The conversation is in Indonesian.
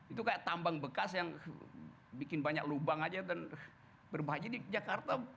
itu kayak tambang bekas yang bikin banyak lubang aja dan berbahaya di jakarta